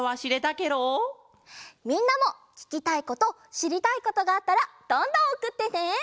みんなもききたいことしりたいことがあったらどんどんおくってね！